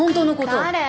・誰？